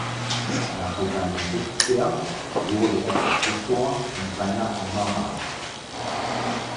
Nach seiner Rückkehr wurde er Professor an seiner Alma Mater.